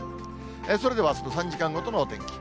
それではあすの３時間ごとのお天気。